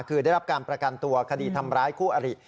คือได้รับการประกันตัวคดีทำร้ายคู่อริ